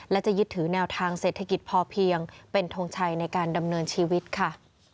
และจะยึดถือแนวทางเศรษฐกิจพอเพียงเป็นทงชัยในการดำเนินชีวิตค่ะ